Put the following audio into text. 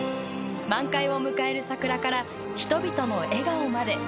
満開を迎える桜から人々の笑顔まで。